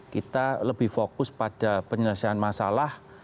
kita lebih fokus pada penyelesaian masalah